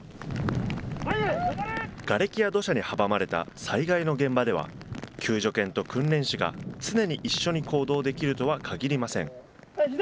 がれきや土砂に阻まれた災害の現場では、救助犬と訓練士が、常に一緒に行動できるとはかぎりません。